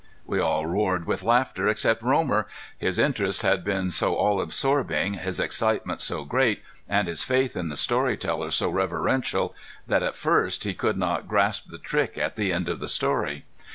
We all roared with laughter except Romer. His interest had been so all absorbing, his excitement so great, and his faith in the story teller so reverential that at first he could not grasp the trick at the end of the story.